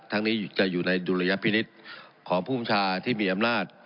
ทั้งนี้จะอยู่ในดุลยพินิษฐ์ของภูมิชาที่มีอำนาจ